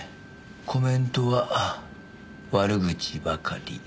コメントは悪口ばかり。